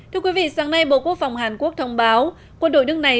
thưa quý vị sáng nay bộ quốc phòng hàn quốc thông báo quân đội nước này